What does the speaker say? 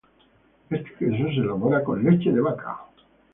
Este queso se elabora con leche de vaca.